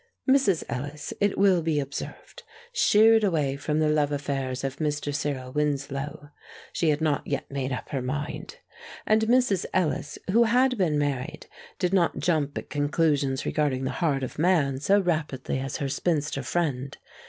Mrs. Ellis, it will be observed, sheered away from the love affairs of Mr. Cyril Winslow. She had not yet made up her mind. And Mrs. Ellis, who had been married, did not jump at conclusions regarding the heart of man so rapidly as her spinster friend.